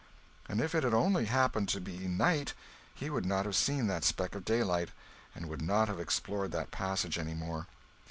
And if it had only happened to be night he would not have seen that speck of daylight and would not have explored that passage any more!